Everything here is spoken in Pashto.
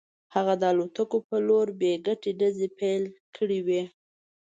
هغه د الوتکو په لور بې ګټې ډزې پیل کړې وې